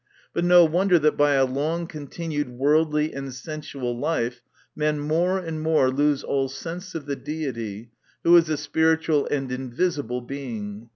But no wonder that by a long continued worldly and sensual life, men more and more lose all sense of the Deity, who is a spiritual and invisible Being.